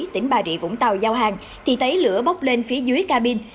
tỉnh bà rịa vũng tàu giao hàng thì thấy lửa bốc lên phía dưới cabin